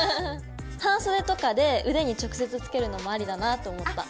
半袖とかで腕に直接着けるのもアリだなと思った。